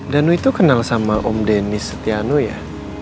danu itu kenal sama om deni setianu ya